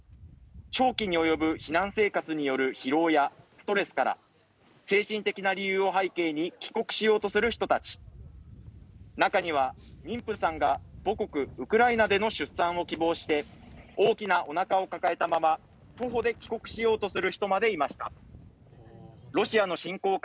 長期に及ぶ避難生活による疲労やストレスから、精神的な理由を背景に帰国しようとする人たち中には妊婦さんが母国ウクライナでの出産を希望して大きなおなかを抱えたまま徒歩で帰国しようとする人までいました。